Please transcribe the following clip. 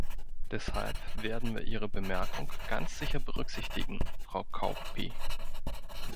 Deshalb werden wir Ihre Bemerkung ganz sicher berücksichtigen, Frau Kauppi.